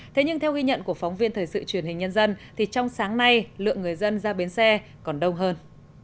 thế nhưng theo ghi nhận của phóng viên thời sự truyền hình nhân dân thì trong sáng nay lượng người dân ra bến xe còn đông hơn